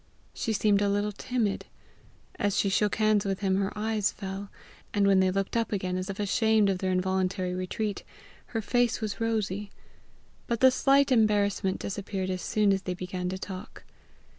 She seemed a little timid. As she shook hands with him her eyes fell; and when they looked up again, as if ashamed of their involuntary retreat, her face was rosy; but the slight embarrassment disappeared as soon as they began to talk.